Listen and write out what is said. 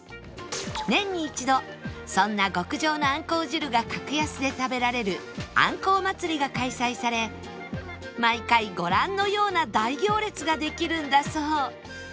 年に一度そんな極上のあんこう汁が格安で食べられるあんこう祭りが開催され毎回ご覧のような大行列ができるんだそう